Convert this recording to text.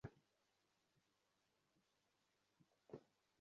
তিনি সম্রাট হিসেবে তার ছেলের নাম দেন।